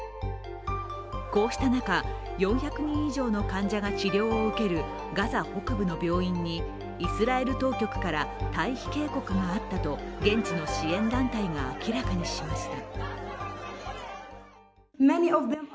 こうした中、４００人以上の患者が治療を受けるガザ北部の病院にイスラエル当局から退避警告があったと現地の支援団体が明らかにしました。